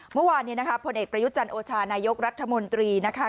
เมื่อวานเนี่ยนะคะผลเอกประยุจันทร์โอชานายกรัฐมนตรีนะคะ